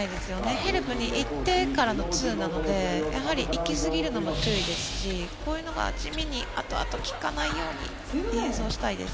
ヘルプに行ってからのツーなので行きすぎるのも注意ですしこういうのが地味に後々効かないようにディフェンスをしたいです。